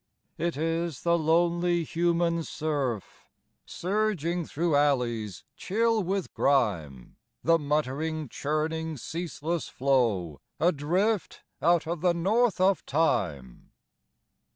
It is the lonely human surf Surging through alleys chill with grime, The muttering churning ceaseless floe Adrift out of the North of time.